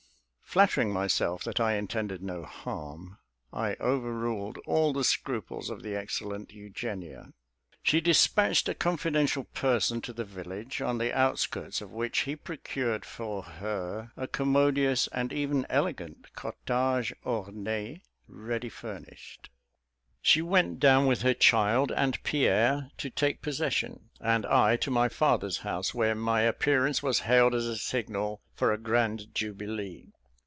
Flattering myself that I intended no harm, I overruled all the scruples of the excellent Eugenia. She despatched a confidential person to the village; on the outskirts of which, he procured for her a commodious, and even elegant cottage ornée ready furnished. She went down with her child and Pierre to take possession; and I to my father's house, where my appearance was hailed as a signal for a grand jubilee.